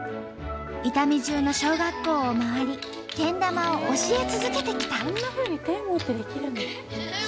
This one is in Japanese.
伊丹じゅうの小学校を回りけん玉を教え続けてきた。